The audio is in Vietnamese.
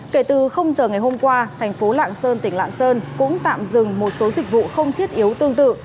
kể từ giờ ngày hôm qua thành phố lạng sơn tỉnh lạng sơn cũng tạm dừng một số dịch vụ không thiết yếu tương tự